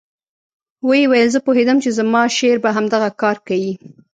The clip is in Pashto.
ويې ويل زه پوهېدم چې زما شېر به همدغه کار کيي.